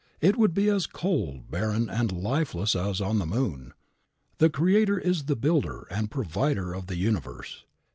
It would be as cold, barren and lifeless as on the moon. The Creator is the builder and provider of the universe.